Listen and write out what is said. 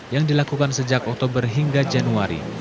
yang dilakukan sejak oktober hingga januari